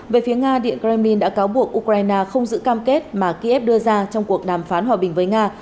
về phía nga điện kremlin đã cáo buộc ukraine không giữ cam kết mà kiev đưa ra trong cuộc đàm phán hòa bình với nga